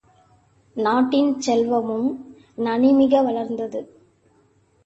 நாட்டின் செல்வமும் நனிமிக வளர்ந்தது.